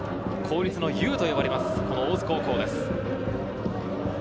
公立の雄と呼ばれます、大津高校です。